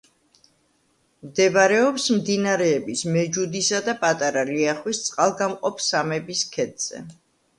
მდებარეობს მდინარეების მეჯუდისა და პატარა ლიახვის წყალგამყოფ სამების ქედზე.